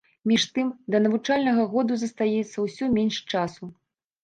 Між тым, да навучальнага году застаецца ўсё менш часу.